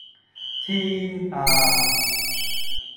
天呀